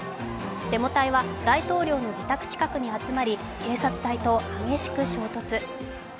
デモ隊は大統領の自宅近くに集まり警察隊と激しく衝突。